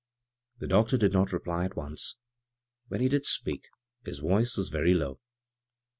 The doctor did not reply at once. When he did speak his voice was very low.